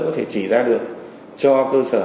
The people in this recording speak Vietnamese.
có thể chỉ ra được cho cơ sở